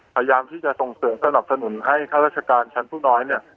พยายามที่จะส่งเสริมสนับสนุนให้ข้าราชการชั้นผู้น้อยเนี่ย